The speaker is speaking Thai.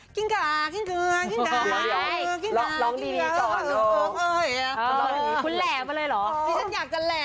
กิ้นก๋ากิ้นเกลืองกิ้นได้